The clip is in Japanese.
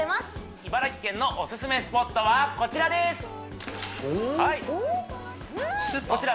茨城県のオススメスポットはこちらですおっスーパー？